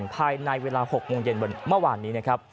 ภายในเวลา๖โมงเย็นเมื่อวานนี้